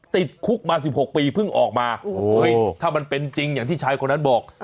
ติดคุกมา๑๖ปีเพิ่งออกมาถ้ามันเป็นจริงอย่างที่ชายคนนั้นบอก